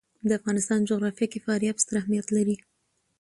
د افغانستان جغرافیه کې فاریاب ستر اهمیت لري.